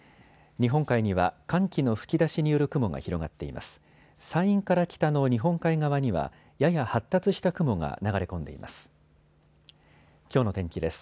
日本海には寒気の吹き出しによる雲が広がっています。